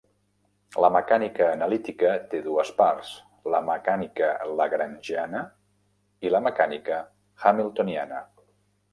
La mecànica analítica té dues parts: la mecànica lagrangiana i la mecànica hamiltoniana.